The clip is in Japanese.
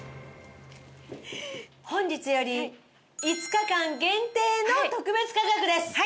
本日より５日間限定の特別価格です。